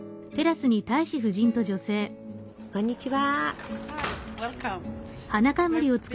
こんにちは。